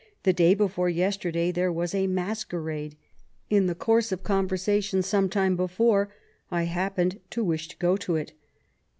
The day before yesterday there was a masquerade; in the course of con versation some time before, I happened to wish to go to it.